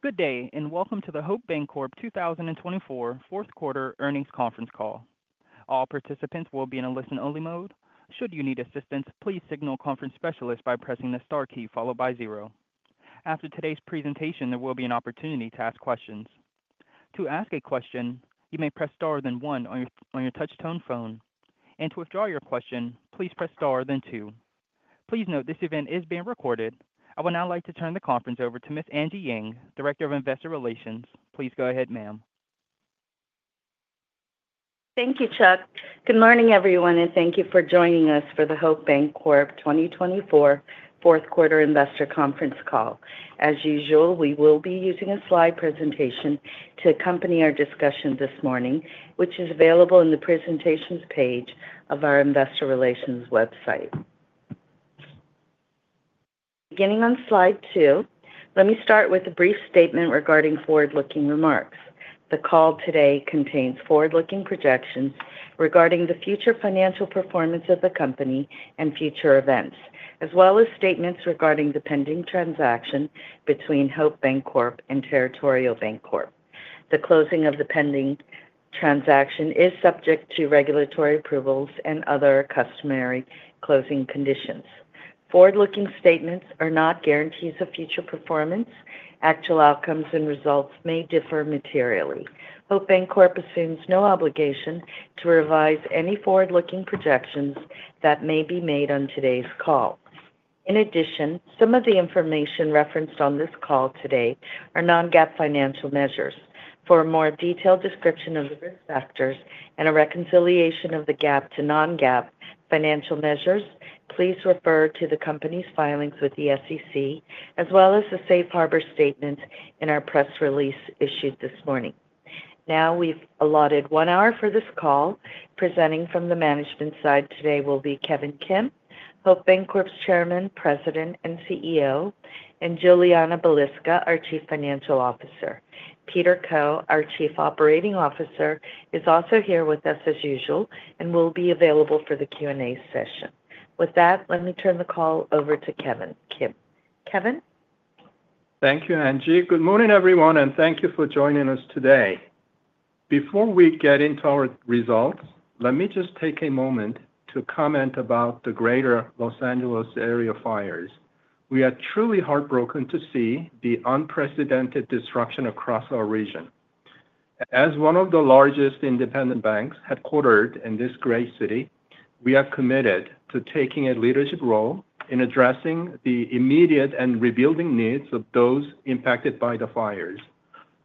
Good day, and welcome to the Hope Bancorp 2024 fourth quarter earnings conference call. All participants will be in a listen-only mode. Should you need assistance, please signal a conference specialist by pressing the star key followed by zero. After today's presentation, there will be an opportunity to ask questions. To ask a question, you may press star one on your touch-tone phone. To withdraw your question, please press star two. Please note this event is being recorded. I would now like to turn the conference over to Ms. Angie Yang, Director of Investor Relations. Please go ahead, ma'am. Thank you, Chuck. Good morning, everyone, and thank you for joining us for the Hope Bancorp 2024 fourth quarter investor conference call. As usual, we will be using a slide presentation to accompany our discussion this morning, which is available in the presentations page of our Investor Relations website. Beginning on slide two, let me start with a brief statement regarding forward-looking remarks. The call today contains forward-looking projections regarding the future financial performance of the company and future events, as well as statements regarding the pending transaction between Hope Bancorp and Territorial Bancorp. The closing of the pending transaction is subject to regulatory approvals and other customary closing conditions. Forward-looking statements are not guarantees of future performance. Actual outcomes and results may differ materially. Hope Bancorp assumes no obligation to revise any forward-looking projections that may be made on today's call. In addition, some of the information referenced on this call today are non-GAAP financial measures. For a more detailed description of the risk factors and a reconciliation of the GAAP to non-GAAP financial measures, please refer to the company's filings with the SEC, as well as the Safe Harbor statement in our press release issued this morning. Now, we've allotted one hour for this call. Presenting from the management side today will be Kevin Kim, Hope Bancorp's Chairman, President, and CEO, and Julianna Balicka, our Chief Financial Officer. Peter Koh, our Chief Operating Officer, is also here with us as usual and will be available for the Q&A session. With that, let me turn the call over to Kevin Kim. Kevin? Thank you, Angie. Good morning, everyone, and thank you for joining us today. Before we get into our results, let me just take a moment to comment about the greater Los Angeles area fires. We are truly heartbroken to see the unprecedented destruction across our region. As one of the largest independent banks headquartered in this great city, we are committed to taking a leadership role in addressing the immediate and rebuilding needs of those impacted by the fires.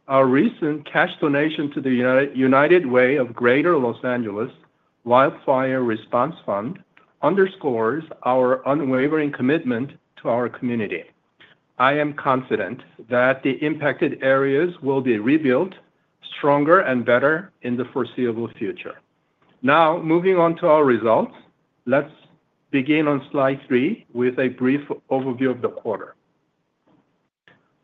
Our recent cash donation to the United Way of Greater Los Angeles Wildfire Response Fund underscores our unwavering commitment to our community. I am confident that the impacted areas will be rebuilt stronger and better in the foreseeable future. Now, moving on to our results, let's begin on slide three with a brief overview of the quarter.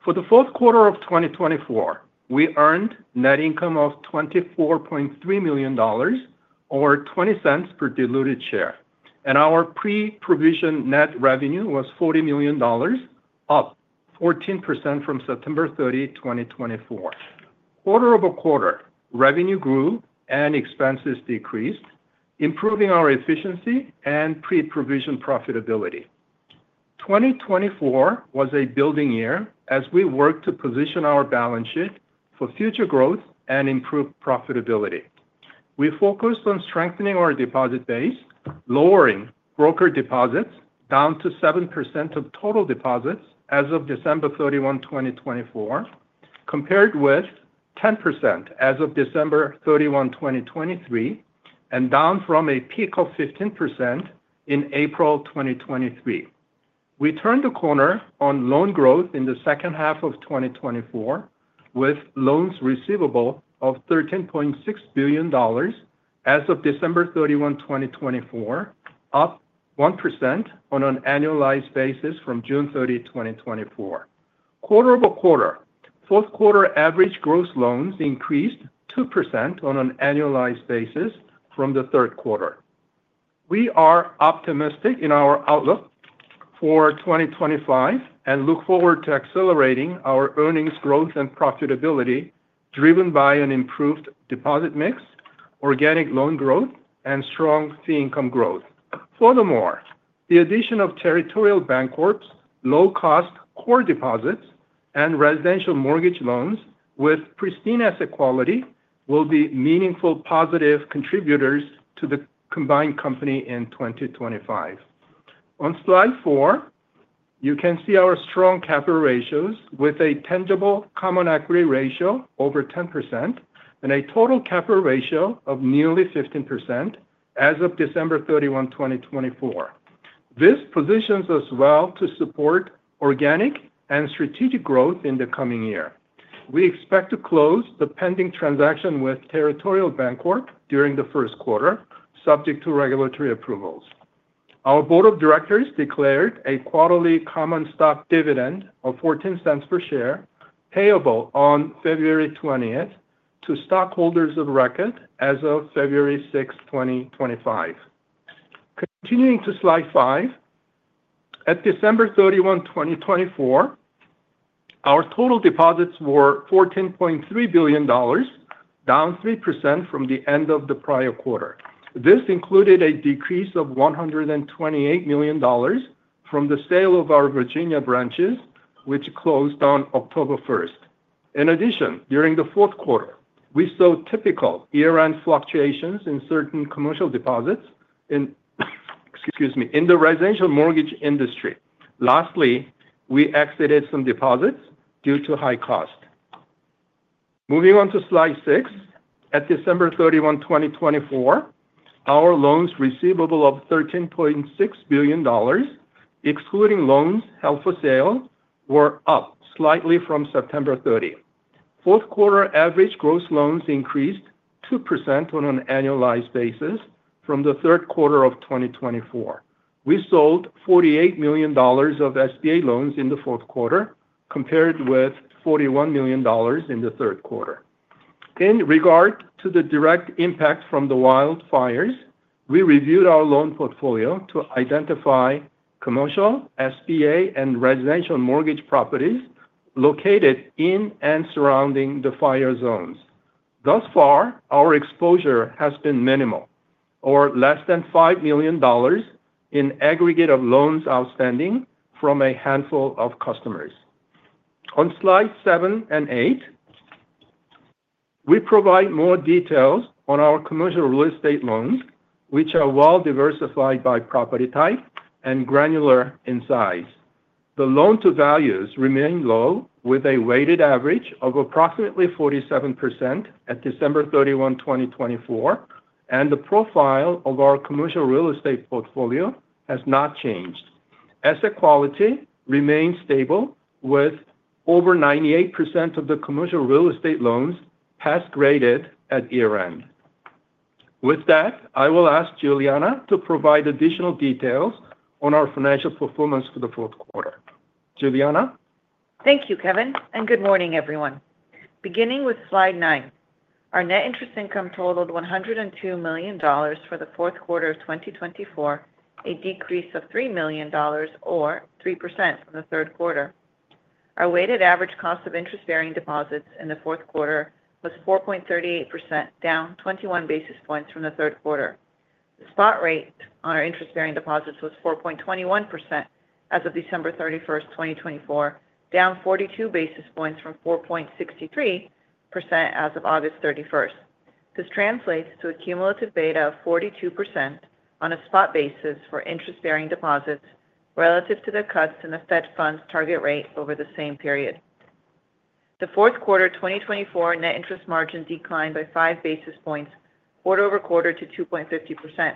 For the fourth quarter of 2024, we earned net income of $24.3 million, or $0.20 per diluted share, and our pre-provision net revenue was $40 million, up 14% from September 30, 2024. Quarter-over-quarter, revenue grew and expenses decreased, improving our efficiency and pre-provision profitability. 2024 was a building year as we worked to position our balance sheet for future growth and improved profitability. We focused on strengthening our deposit base, lowering brokered deposits down to 7% of total deposits as of December 31, 2024, compared with 10% as of December 31, 2023, and down from a peak of 15% in April 2023. We turned the corner on loan growth in the second half of 2024, with loans receivable of $13.6 billion as of December 31, 2024, up 1% on an annualized basis from June 30, 2024. quarter-over-quarter, fourth quarter average gross loans increased 2% on an annualized basis from the third quarter. We are optimistic in our outlook for 2025 and look forward to accelerating our earnings growth and profitability driven by an improved deposit mix, organic loan growth, and strong fee income growth. Furthermore, the addition of Territorial Bancorp's low-cost core deposits and residential mortgage loans with pristine asset quality will be meaningful positive contributors to the combined company in 2025. On slide four, you can see our strong capital ratios with a tangible common equity ratio over 10% and a total capital ratio of nearly 15% as of December 31, 2024. This positions us well to support organic and strategic growth in the coming year. We expect to close the pending transaction with Territorial Bancorp during the first quarter, subject to regulatory approvals. Our Board of Directors declared a quarterly common stock dividend of $0.14 per share payable on February 20th to stockholders of record as of February 6, 2025. Continuing to slide five, at December 31, 2024, our total deposits were $14.3 billion, down 3% from the end of the prior quarter. This included a decrease of $128 million from the sale of our Virginia branches, which closed on October 1st. In addition, during the fourth quarter, we saw typical year-end fluctuations in certain commercial deposits in the residential mortgage industry. Lastly, we exited some deposits due to high cost. Moving on to slide six, at December 31, 2024, our loans receivable of $13.6 billion, excluding loans held for sale, were up slightly from September 30th. Fourth quarter average gross loans increased 2% on an annualized basis from the third quarter of 2024. We sold $48 million of SBA loans in the fourth quarter, compared with $41 million in the third quarter. In regard to the direct impact from the wildfires, we reviewed our loan portfolio to identify commercial, SBA, and residential mortgage properties located in and surrounding the fire zones. Thus far, our exposure has been minimal, or less than $5 million in aggregate of loans outstanding from a handful of customers. On slides seven and eight, we provide more details on our commercial real estate loans, which are well-diversified by property type and granular in size. The loan-to-values remain low, with a weighted average of approximately 47% at December 31, 2024, and the profile of our commercial real estate portfolio has not changed. Asset quality remains stable, with over 98% of the commercial real estate loans Pass graded at year-end. With that, I will ask Julianna to provide additional details on our financial performance for the fourth quarter. Julianna? Thank you, Kevin, and good morning, everyone. Beginning with slide nine, our net interest income totaled $102 million for the fourth quarter of 2024, a decrease of $3 million, or 3% from the third quarter. Our weighted average cost of interest-bearing deposits in the fourth quarter was 4.38%, down 21 basis points from the third quarter. The spot rate on our interest-bearing deposits was 4.21% as of December 31st, 2024, down 42 basis points from 4.63% as of August 31st. This translates to a cumulative beta of 42% on a spot basis for interest-bearing deposits relative to the cuts in the Fed Funds target rate over the same period. The fourth quarter 2024 net interest margin declined by 5 basis points quarter-over-quarter to 2.50%.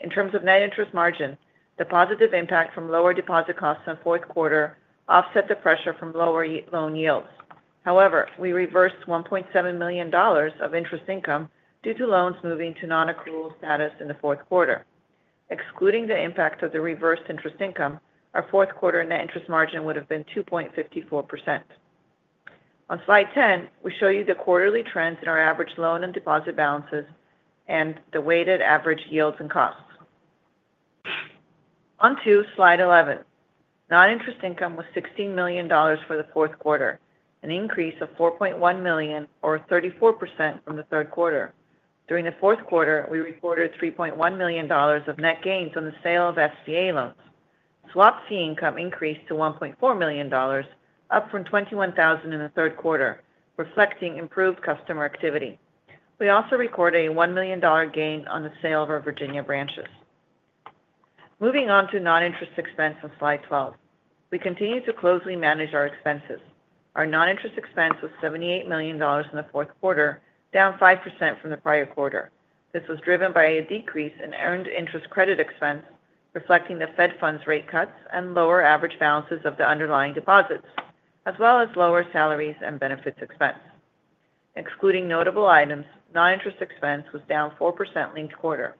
In terms of net interest margin, the positive impact from lower deposit costs in the fourth quarter offset the pressure from lower loan yields. However, we reversed $1.7 million of interest income due to loans moving to non-accrual status in the fourth quarter. Excluding the impact of the reversed interest income, our fourth quarter net interest margin would have been 2.54%. On slide 10, we show you the quarterly trends in our average loan and deposit balances and the weighted average yields and costs. Onto slide 11. Non-interest income was $16 million for the fourth quarter, an increase of $4.1 million, or 34% from the third quarter. During the fourth quarter, we recorded $3.1 million of net gains on the sale of SBA loans. Swap fee income increased to $1.4 million, up from $21,000 in the third quarter, reflecting improved customer activity. We also recorded a $1 million gain on the sale of our Virginia branches. Moving on to non-interest expense on slide 12, we continue to closely manage our expenses. Our non-interest expense was $78 million in the fourth quarter, down 5% from the prior quarter. This was driven by a decrease in earned interest credit expense, reflecting the Fed Funds rate cuts and lower average balances of the underlying deposits, as well as lower salaries and benefits expense. Excluding notable items, non-interest expense was down 4% linked quarter.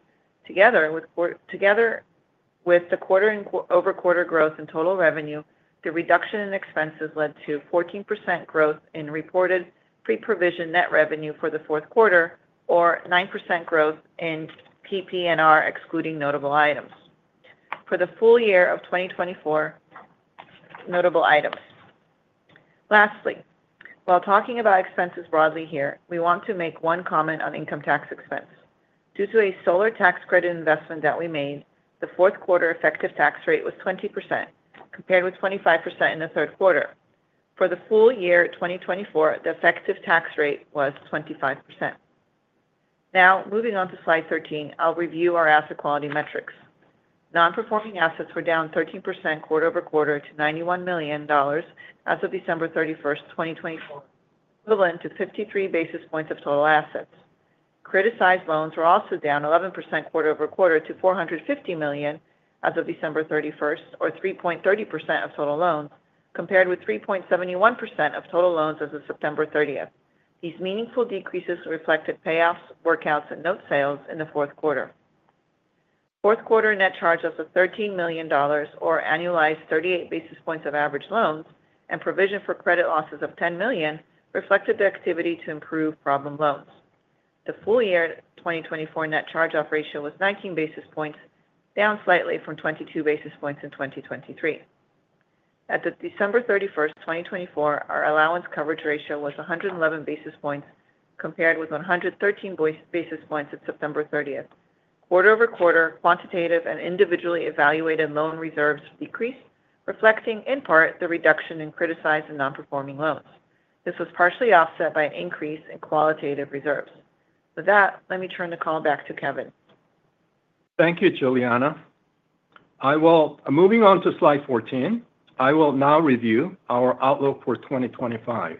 Together with the quarter-over-quarter growth in total revenue, the reduction in expenses led to 14% growth in reported pre-provision net revenue for the fourth quarter, or 9% growth in PPNR, excluding notable items. For the full year of 2024, notable items. Lastly, while talking about expenses broadly here, we want to make one comment on income tax expense. Due to a solar tax credit investment that we made, the fourth quarter effective tax rate was 20%, compared with 25% in the third quarter. For the full year 2024, the effective tax rate was 25%. Now, moving on to slide 13, I'll review our asset quality metrics. Non-performing assets were down 13% quarter-over-quarter to $91 million as of December 31st, 2024, equivalent to 53 basis points of total assets. Criticized loans were also down 11% quarter-over-quarter to $450 million as of December 31st, or 3.30% of total loans, compared with 3.71% of total loans as of September 30th. These meaningful decreases reflected payoffs, workouts, and note sales in the fourth quarter. Fourth quarter net charge-offs of $13 million, or annualized 38 basis points of average loans and provision for credit losses of $10 million, reflected the activity to improve problem loans. The full year 2024 net charge-off ratio was 19 basis points, down slightly from 22 basis points in 2023. At December 31st, 2024, our allowance coverage ratio was 111 basis points, compared with 113 basis points at September 30th. quarter-over-quarter, quantitative and individually evaluated loan reserves decreased, reflecting in part the reduction in criticized and non-performing loans. This was partially offset by an increase in qualitative reserves. With that, let me turn the call back to Kevin. Thank you, Julianna. I will, moving on to slide 14, I will now review our outlook for 2025.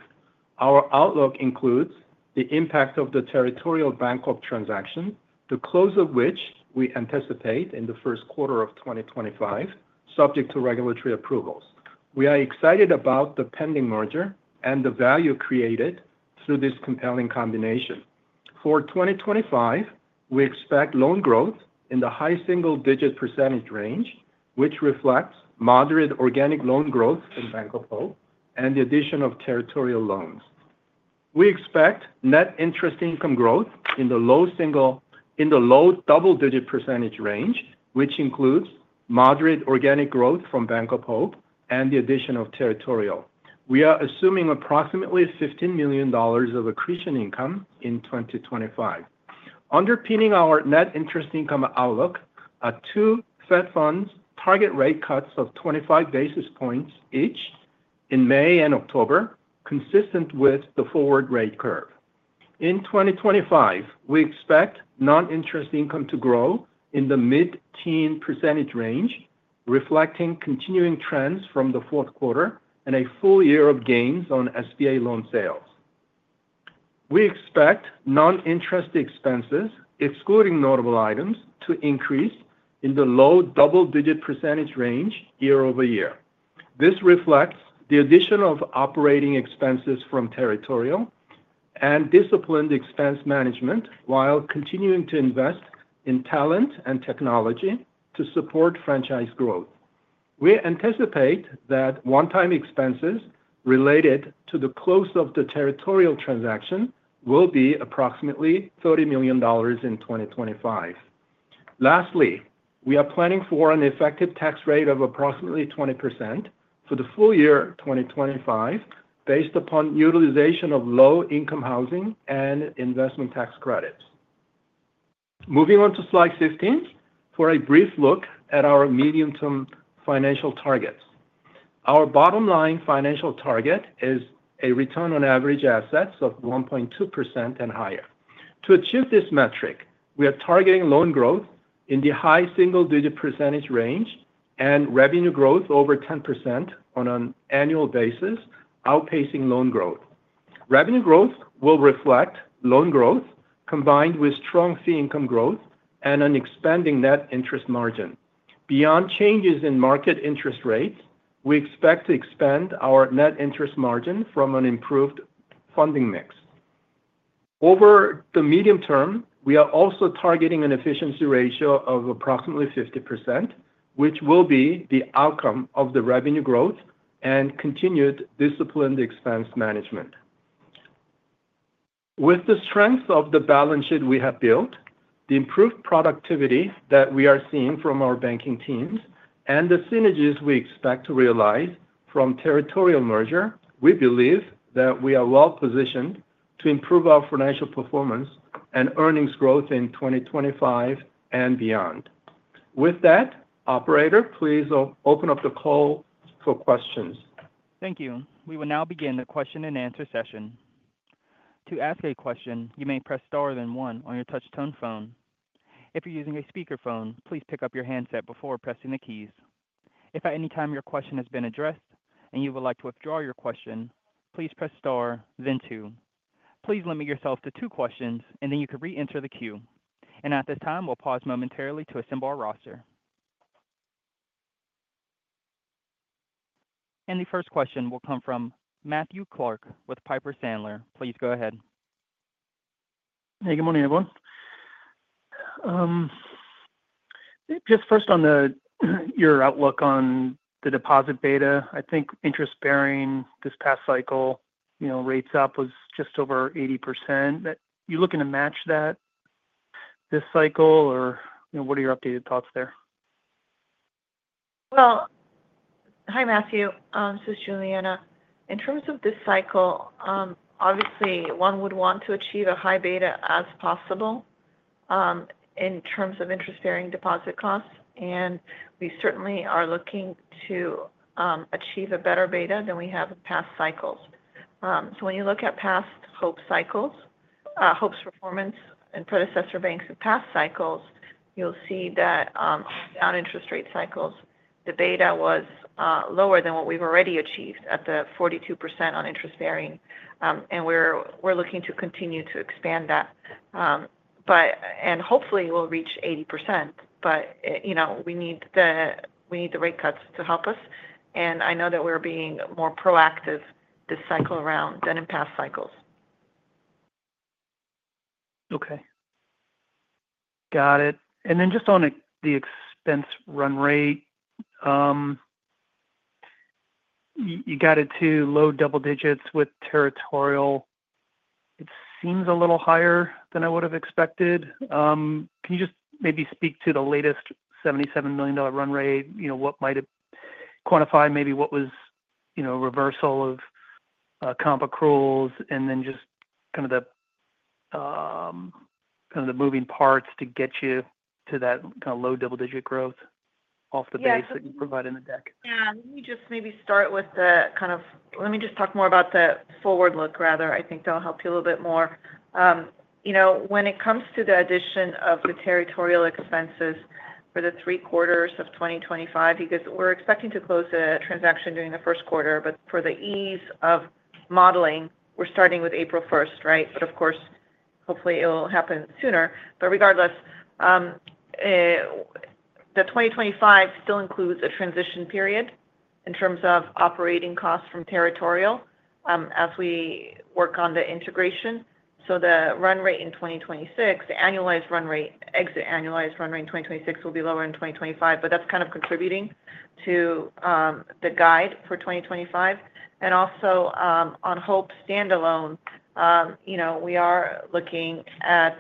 Our outlook includes the impact of the Territorial Bancorp transaction, the close of which we anticipate in the first quarter of 2025, subject to regulatory approvals. We are excited about the pending merger and the value created through this compelling combination. For 2025, we expect loan growth in the high single-digit percentage range, which reflects moderate organic loan growth in Bancorp Hope and the addition of Territorial loans. We expect net interest income growth in the low double-digit percentage range, which includes moderate organic growth from Bancorp Hope and the addition of Territorial. We are assuming approximately $15 million of accretion income in 2025. Underpinning our net interest income outlook are two Fed Funds target rate cuts of 25 basis points each in May and October, consistent with the forward rate curve. In 2025, we expect non-interest income to grow in the mid-teen percentage range, reflecting continuing trends from the fourth quarter and a full year of gains on SBA loan sales. We expect non-interest expenses, excluding notable items, to increase in the low double-digit percentage range year over year. This reflects the addition of operating expenses from Territorial and disciplined expense management while continuing to invest in talent and technology to support franchise growth. We anticipate that one-time expenses related to the close of the Territorial transaction will be approximately $30 million in 2025. Lastly, we are planning for an effective tax rate of approximately 20% for the full year 2025, based upon utilization of low-income housing and investment tax credits. Moving on to slide 16 for a brief look at our medium-term financial targets. Our bottom-line financial target is a return on average assets of 1.2% and higher. To achieve this metric, we are targeting loan growth in the high single-digit percentage range and revenue growth over 10% on an annual basis, outpacing loan growth. Revenue growth will reflect loan growth combined with strong fee income growth and an expanding net interest margin. Beyond changes in market interest rates, we expect to expand our net interest margin from an improved funding mix. Over the medium term, we are also targeting an efficiency ratio of approximately 50%, which will be the outcome of the revenue growth and continued disciplined expense management. With the strength of the balance sheet we have built, the improved productivity that we are seeing from our banking teams, and the synergies we expect to realize from Territorial merger, we believe that we are well-positioned to improve our financial performance and earnings growth in 2025 and beyond. With that, operator, please open up the call for questions. Thank you. We will now begin the question-and-answer session. To ask a question, you may press star then one on your touch-tone phone. If you're using a speakerphone, please pick up your handset before pressing the keys. If at any time your question has been addressed and you would like to withdraw your question, please press star, then two. Please limit yourself to two questions, and then you can re-enter the queue. And at this time, we'll pause momentarily to assemble our roster. And the first question will come from Matthew Clark with Piper Sandler. Please go ahead. Hey, good morning, everyone. Just first on your outlook on the deposit beta, I think interest-bearing this past cycle, rates up was just over 80%. You're looking to match that this cycle, or what are your updated thoughts there? Hi, Matthew. This is Julianna. In terms of this cycle, obviously, one would want to achieve a high beta as possible in terms of interest-bearing deposit costs. And we certainly are looking to achieve a better beta than we have in past cycles. So when you look at past Hope cycles, Hope's performance and predecessor banks in past cycles, you'll see that on interest rate cycles, the beta was lower than what we've already achieved at the 42% on interest-bearing. And we're looking to continue to expand that. And hopefully, we'll reach 80%. But we need the rate cuts to help us. And I know that we're being more proactive this cycle around than in past cycles. Okay. Got it. And then just on the expense run rate, you got it to low double digits with Territorial. It seems a little higher than I would have expected. Can you just maybe speak to the latest $77 million run rate, what might quantify maybe what was a reversal of comp accruals, and then just kind of the moving parts to get you to that kind of low double-digit growth off the base that you provided in the deck? Yeah. Let me just talk more about the forward look rather. I think that'll help you a little bit more. When it comes to the addition of the Territorial expenses for the three quarters of 2025, because we're expecting to close a transaction during the first quarter, but for the ease of modeling, we're starting with April 1st, right? But of course, hopefully, it'll happen sooner. But regardless, the 2025 still includes a transition period in terms of operating costs from Territorial as we work on the integration. So the run rate in 2026, the annualized run rate, exit annualized run rate in 2026 will be lower in 2025. But that's kind of contributing to the guide for 2025. And also, on Hope standalone, we are looking at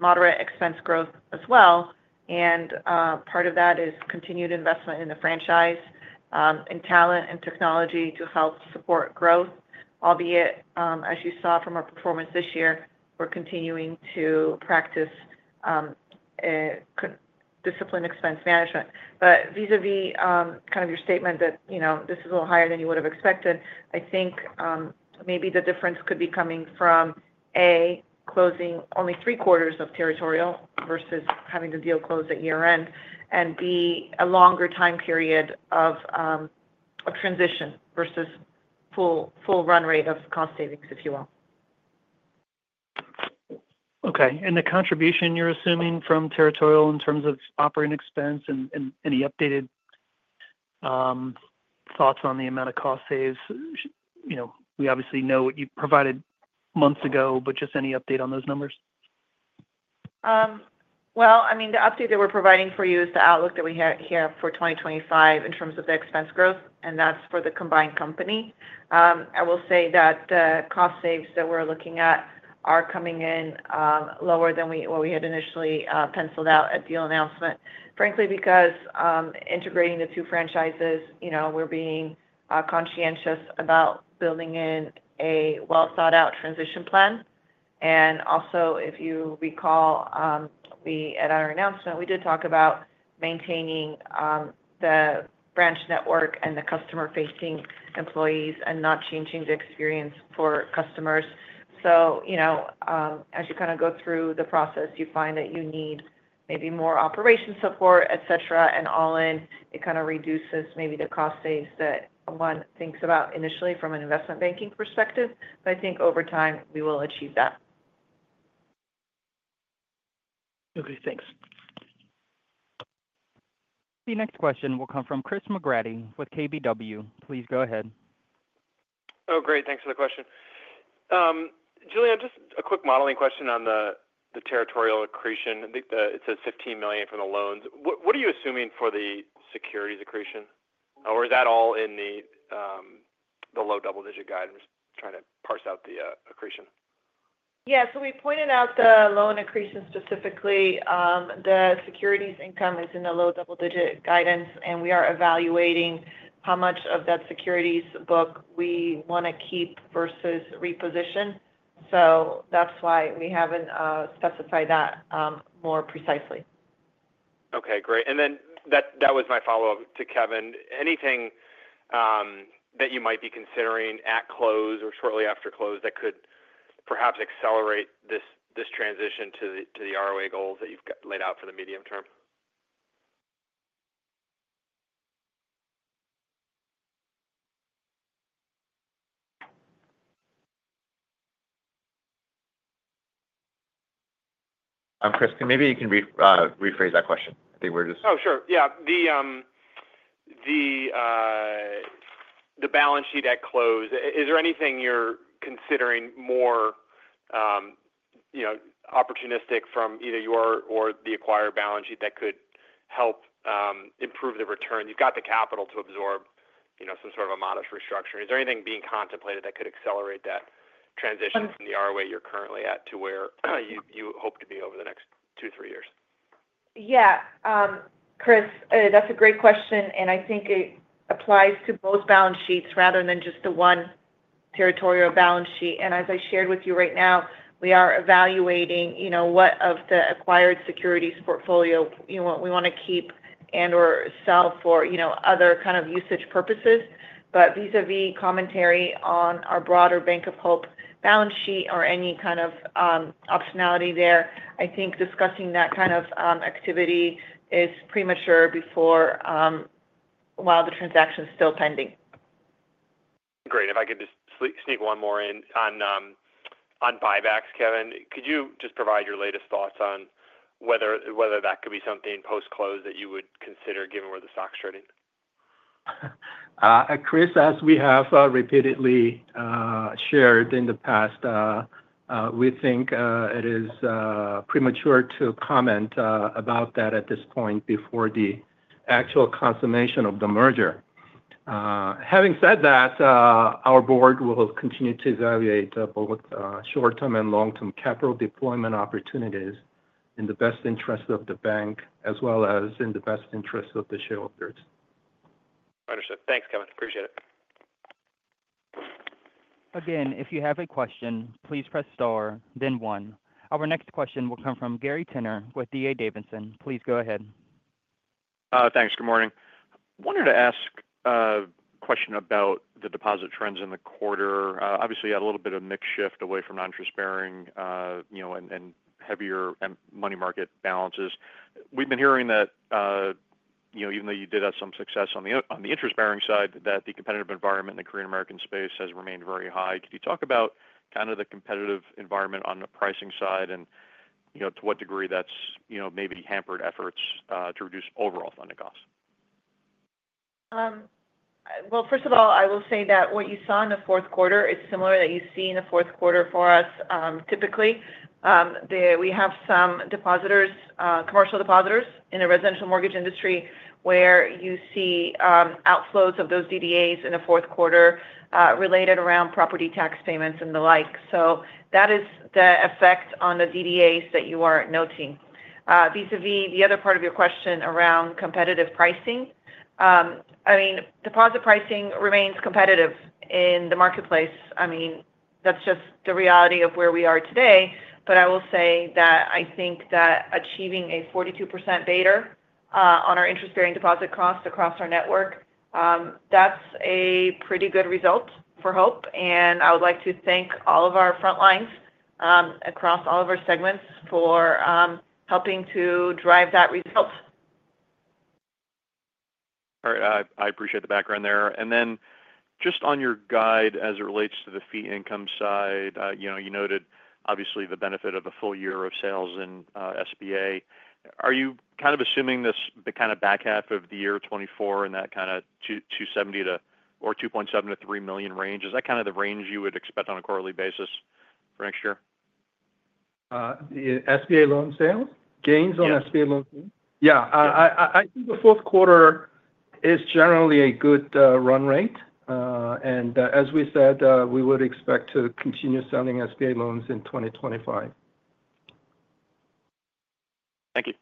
moderate expense growth as well. And part of that is continued investment in the franchise, in talent, and technology to help support growth, albeit, as you saw from our performance this year, we're continuing to practice discipline expense management. But vis-à-vis kind of your statement that this is a little higher than you would have expected, I think maybe the difference could be coming from, A, closing only three quarters of Territorial versus having the deal close at year-end, and B, a longer time period of transition versus full run rate of cost savings, if you will. Okay. And the contribution you're assuming from Territorial in terms of operating expense and any updated thoughts on the amount of cost saves? We obviously know what you provided months ago, but just any update on those numbers? I mean, the update that we're providing for you is the outlook that we have here for 2025 in terms of the expense growth. That's for the combined company. I will say that the cost savings that we're looking at are coming in lower than what we had initially penciled out at deal announcement, frankly, because integrating the two franchises, we're being conscientious about building in a well-thought-out transition plan. Also, if you recall, at our announcement, we did talk about maintaining the branch network and the customer-facing employees and not changing the experience for customers. As you kind of go through the process, you find that you need maybe more operational support, et cetera. All in, it kind of reduces maybe the cost savings that one thinks about initially from an investment banking perspective. I think over time, we will achieve that. Okay. Thanks. The next question will come from Chris McGraty with KBW. Please go ahead. Oh, great. Thanks for the question. Julianna, just a quick modeling question on the Territorial accretion. It says $15 million for the loans. What are you assuming for the securities accretion? Or is that all in the low double-digit guidance trying to parse out the accretion? Yeah. So we pointed out the loan accretion specifically. The securities income is in the low double-digit guidance. And we are evaluating how much of that securities book we want to keep versus reposition. So that's why we haven't specified that more precisely. Okay. Great. And then that was my follow-up to Kevin. Anything that you might be considering at close or shortly after close that could perhaps accelerate this transition to the ROA goals that you've laid out for the medium term? I'm Chris. Can you maybe rephrase that question? I think we're just. Oh, sure. Yeah. The balance sheet at close, is there anything you're considering more opportunistic from either your or the acquired balance sheet that could help improve the return? You've got the capital to absorb some sort of a modest restructuring. Is there anything being contemplated that could accelerate that transition from the ROA you're currently at to where you hope to be over the next two, three years? Yeah. Chris, that's a great question. And I think it applies to both balance sheets rather than just the one Territorial balance sheet. And as I shared with you right now, we are evaluating what of the acquired securities portfolio we want to keep and/or sell for other kind of usage purposes. But vis-à-vis commentary on our broader Bank of Hope balance sheet or any kind of optionality there, I think discussing that kind of activity is premature while the transaction is still pending. Great. If I could just sneak one more in on buybacks, Kevin, could you just provide your latest thoughts on whether that could be something post-close that you would consider given where the stock's trading? Chris, as we have repeatedly shared in the past, we think it is premature to comment about that at this point before the actual consummation of the merger. Having said that, our board will continue to evaluate both short-term and long-term capital deployment opportunities in the best interest of the bank as well as in the best interest of the shareholders. Understood. Thanks, Kevin. Appreciate it. Again, if you have a question, please press star, then one. Our next question will come from Gary Tenner with D.A. Davidson. Please go ahead. Thanks. Good morning. I wanted to ask a question about the deposit trends in the quarter. Obviously, you had a little bit of a mixed shift away from non-interest-bearing and heavier money market balances. We've been hearing that even though you did have some success on the interest-bearing side, that the competitive environment in the Korean American space has remained very high. Could you talk about kind of the competitive environment on the pricing side and to what degree that's maybe hampered efforts to reduce overall funding costs? First of all, I will say that what you saw in the fourth quarter is similar to what you see in the fourth quarter for us typically. We have some commercial depositors in the residential mortgage industry where you see outflows of those DDAs in the fourth quarter related around property tax payments and the like. So that is the effect on the DDAs that you are noting. Vis-à-vis the other part of your question around competitive pricing, I mean, deposit pricing remains competitive in the marketplace. I mean, that's just the reality of where we are today. But I will say that I think that achieving a 42% beta on our interest-bearing deposit costs across our network, that's a pretty good result for Hope. And I would like to thank all of our frontlines across all of our segments for helping to drive that result. All right. I appreciate the background there. And then just on your guide as it relates to the fee income side, you noted, obviously, the benefit of a full year of sales in SBA. Are you kind of assuming the kind of back half of the year 2024 and that kind of $2.7 million-$3 million range? Is that kind of the range you would expect on a quarterly basis for next year? SBA loan sales? Gains on SBA loan sales? Yeah. Yeah. I think the fourth quarter is generally a good run rate, and as we said, we would expect to continue selling SBA loans in 2025. Thank you.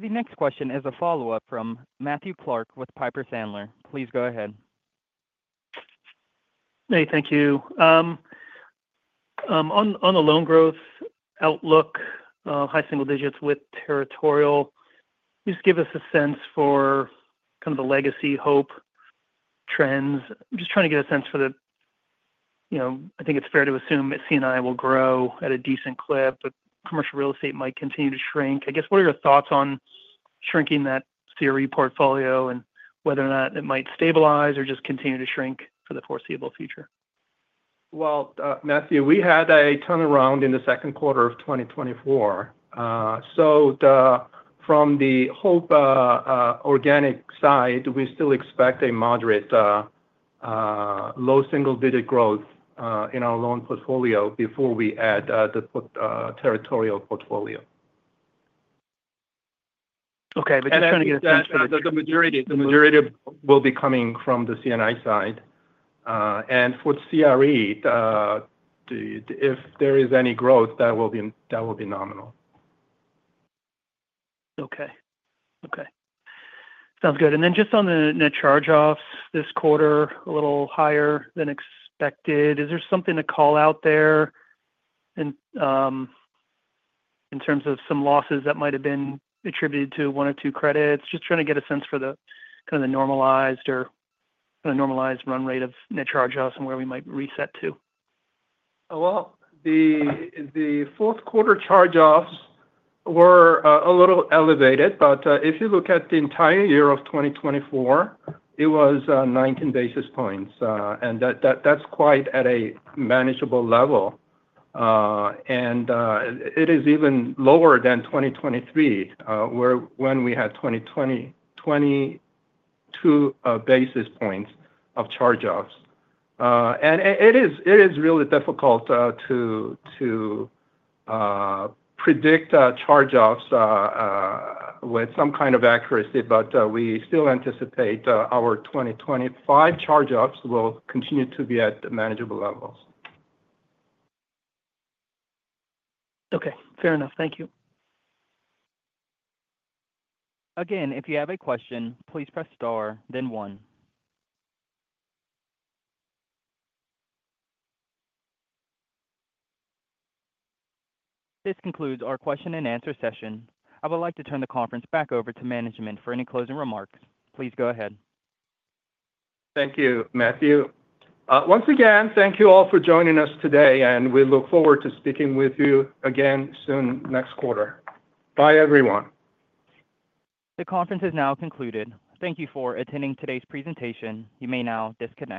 The next question is a follow-up from Matthew Clark with Piper Sandler. Please go ahead. Hey, thank you. On the loan growth outlook, high single digits with Territorial. Just give us a sense for kind of the legacy Hope trends. I'm just trying to get a sense for the. I think it's fair to assume that C&I will grow at a decent clip, but commercial real estate might continue to shrink. I guess, what are your thoughts on shrinking that CRE portfolio and whether or not it might stabilize or just continue to shrink for the foreseeable future? Matthew, we had a turnaround in the second quarter of 2024. From the Hope organic side, we still expect a moderate low single-digit growth in our loan portfolio before we add the Territorial portfolio. Okay, but just trying to get a sense for the. The majority will be coming from the C&I side. For CRE, if there is any growth, that will be nominal. Okay. Okay. Sounds good. And then just on the charge-offs this quarter, a little higher than expected. Is there something to call out there in terms of some losses that might have been attributed to one or two credits? Just trying to get a sense for the kind of normalized run rate of net charge-offs and where we might reset to. The fourth quarter charge-offs were a little elevated. If you look at the entire year of 2024, it was 19 basis points. That's quite a manageable level. It is even lower than 2023, when we had 22 basis points of charge-offs. It is really difficult to predict charge-offs with some kind of accuracy. We still anticipate our 2025 charge-offs will continue to be at manageable levels. Okay. Fair enough. Thank you. Again, if you have a question, please press star, then one. This concludes our question-and-answer session. I would like to turn the conference back over to management for any closing remarks. Please go ahead. Thank you, Matthew. Once again, thank you all for joining us today. And we look forward to speaking with you again soon next quarter. Bye, everyone. The conference is now concluded. Thank you for attending today's presentation. You may now disconnect.